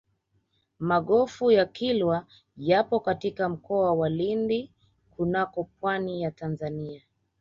magofu ya kilwa yapo katika mkoa wa lindi kunako pwani ya tanzania